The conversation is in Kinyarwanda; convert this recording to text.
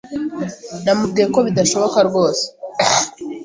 Namubwiye ko bidashoboka rwose